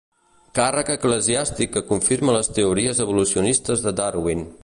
Càrrec eclesiàstic que confirma les teories evolucionistes de Darwin.